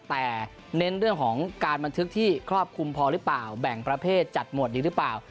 แต่เน้นเรื่องของการบันทึกที่ครอบคลุมพอหรือเปล่าแบ่งประเภทจัดหมวดดีหรือเปล่า